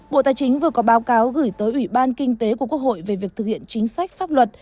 bộ tài chính vừa có báo cáo gửi tới ủy ban kinh tế của quốc hội về việc thực hiện chính sách pháp luật